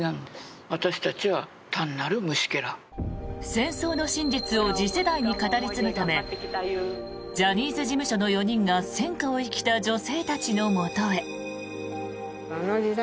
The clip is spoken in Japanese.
戦争の真実を次世代に語り継ぐためジャニーズ事務所の４人が戦禍を生きた女性たちのもとへ。